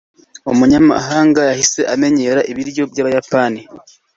umunyamahanga yahise amenyera ibiryo byabayapani